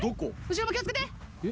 後ろも気をつけて！